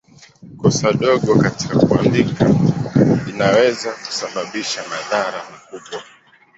Kosa dogo katika kuandika linaweza kusababisha madhara makubwa.